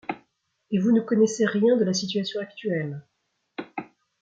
Et vous ne connaissez rien de la situation actuelle ?